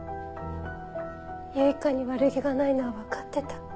結花に悪気がないのは分かってた。